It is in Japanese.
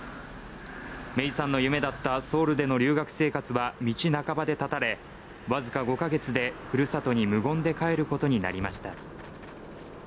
芽生さんの夢だったソウルでの留学生活は道半ばで絶たれ、僅か５か月でふるさとに無言で帰ることになりました。